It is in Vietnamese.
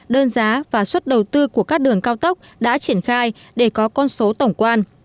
đơn giá và suất đầu tư của các đường cao tốc đã triển khai để có con số tổng quan